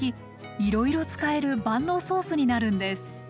いろいろ使える万能ソースになるんです